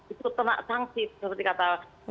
itu kena sanksi seperti kata